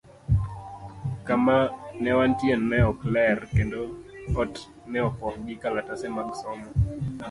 Kama ne wantie ne ok ler, kendo ot ne opong' gi kalatese mag somo.